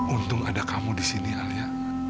untung ada kamu disini alia